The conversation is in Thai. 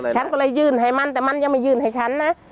ฉันก็เลยยื่นให้มันแต่มันยังไม่ยื่นให้ฉันนะ